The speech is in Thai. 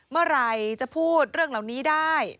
เมื่อไหร่จะพูดเรื่องเหล่านี้ได้